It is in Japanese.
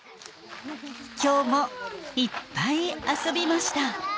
今日もいっぱい遊びました。